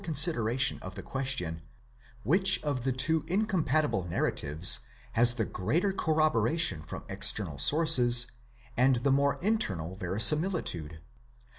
269 sideration of the question, which of the two incompatible narratives has the greater corroboration from external sources, and the more internal verisimili tude?